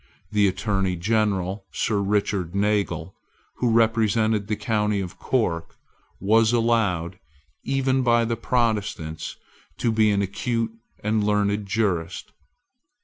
The Attorney General, Sir Richard Nagle, who represented the county of Cork, was allowed, even by Protestants, to be an acute and learned jurist.